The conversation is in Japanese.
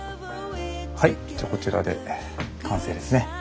はいじゃこちらで完成ですね。